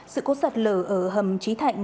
sự cố sạt lở ở hầm trí thạnh